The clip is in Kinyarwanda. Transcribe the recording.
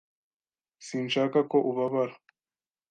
Sinshaka ko ubabara.